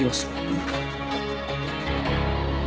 うん。